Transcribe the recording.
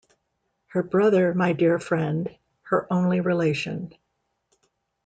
Her brother, my dear friend — her only relation.